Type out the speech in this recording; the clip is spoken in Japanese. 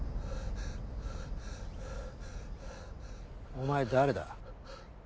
お前誰だ？